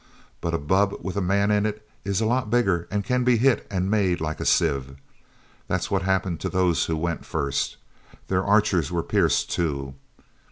But a bubb with a man in it is lots bigger, and can be hit and made like a sieve. That's what happened to those who went first. Their Archers were pierced too.